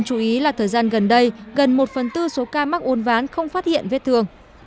chú ý là thời gian gần đây gần một phần tư số ca mắc uốn ván không phát hiện vết thương